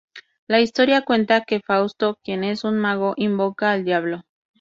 La historia cuenta que Fausto, quien es un mago, invoca al Diablo.